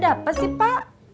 ada apa sih pak